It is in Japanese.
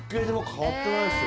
変わってないです。